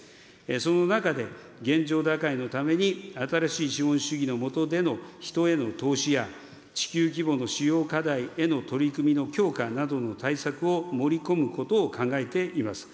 その中で、現状打開のために新しい資本主義の下での人への投資や、地球規模の主要課題への取り組みの強化などの対策を盛り込むことを考えています。